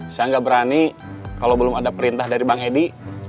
saya nggak berani kalau belum ada perintah dari bang edi